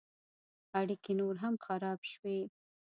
اړیکې نور هم خراب شوې.